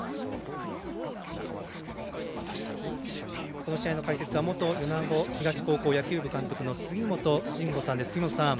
この試合の解説は元米子東高校監督の杉本真吾さんです。